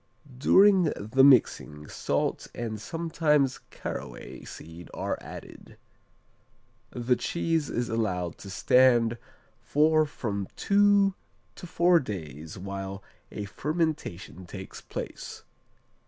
During the mixing, salt and sometimes caraway seed are added. The cheese is allowed to stand for from two to four days while a fermentation takes place.